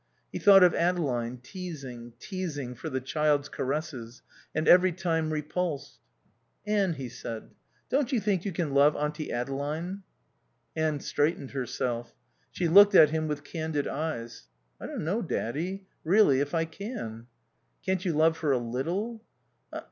He thought of Adeline, teasing, teasing for the child's caresses, and every time repulsed. "Anne," he said, "don't you think you can love Auntie Adeline?" Anne straightened herself. She looked at him with candid eyes. "I don't know, Daddy, really, if I can." "Can't you love her a little?"